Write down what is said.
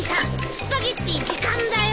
スパゲティ時間だよ。